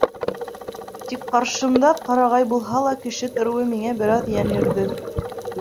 Тик ҡаршымда ҡырағай булһа ла кеше тороуы миңә бер аҙ йән өрҙө.